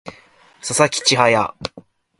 佐々木千隼